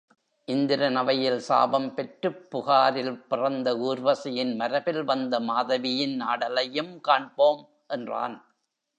இந்திரன் அவையில் சாபம் பெற்றுப் புகாரில் பிறந்த ஊர்வசியின் மரபில் வந்த மாதவியின் ஆடலையும் காண்போம் என்றான்.